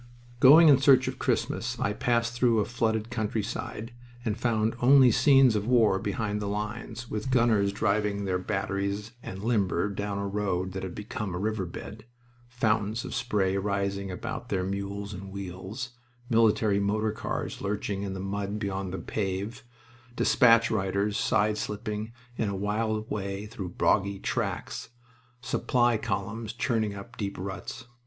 Going in search of Christmas, I passed through a flooded countryside and found only scenes of war behind the lines, with gunners driving their batteries and limber down a road that had become a river bed, fountains of spray rising about their mules and wheels, military motor cars lurching in the mud beyond the pave, despatch riders side slipping in a wild way through boggy tracks, supply columns churning up deep ruts.